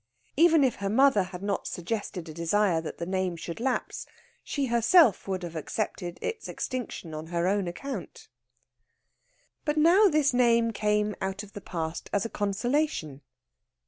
Even if her mother had not suggested a desire that the name should lapse, she herself would have accepted its extinction on her own account. But now this name came out of the past as a consolation.